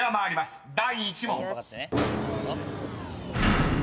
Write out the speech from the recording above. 第１問］